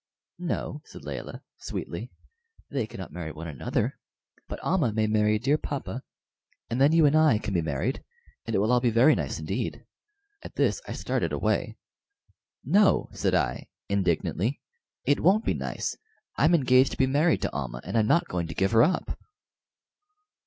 "No," said Layelah, sweetly, "they cannot marry one another, but Almah may marry dear papa, and then you and I can be married, and it will be all very nice indeed." At this I started away. "No," said I, indignantly, "it won't be nice. I'm engaged to be married to Almah, and I'm not going to give her up."